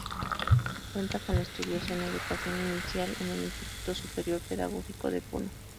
Cuenta con estudios en Educación Inicial en el Instituto Superior Pedagógico de Puno.